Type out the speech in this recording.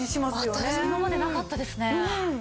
今までなかったですね。